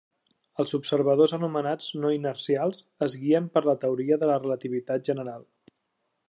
Els observadors anomenats no inercials es guien per la teoria de la relativitat general.